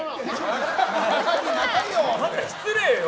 あんた、失礼よ。